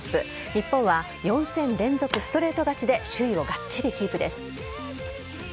日本は４戦連続ストレート勝ちで首位をがっちりキープです。